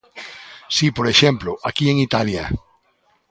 Si, por exemplo, aquí en Italia.